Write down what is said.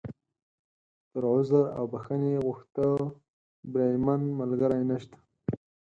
تر عذر او بښنې غوښتو، بریمن ملګری نشته.